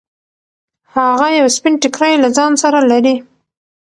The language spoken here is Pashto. هغه یو سپین ټیکری له ځان سره لري.